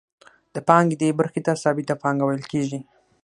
د پانګې دې برخې ته ثابته پانګه ویل کېږي